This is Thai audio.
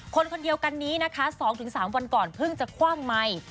คนคนเดียวกันนี้นะคะ๒๓วันก่อนเพิ่งจะคว่างไมค์